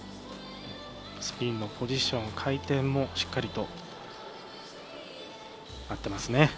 スピンのポジション、回転もしっかりと合ってますね。